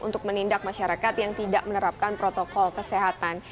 untuk menindak masyarakat yang tidak menerapkan protokol kesehatan